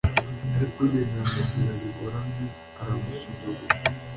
ariko ugendera mu nzira zigoramye aramusuzugura